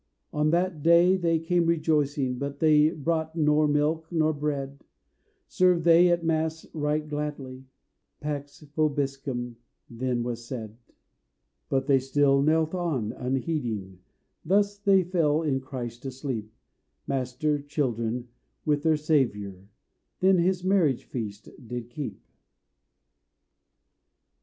On that day they came rejoicing, But they brought nor milk nor bread; Served they at the Mass right gladly; "Pax Vobiscum," then was said But they still knelt on, unheeding, Thus they fell in Christ asleep; Master, children, with their Savior Then his marriage feast did keep!